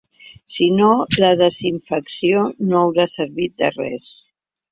Si no, la desinfecció no haurà servit de res.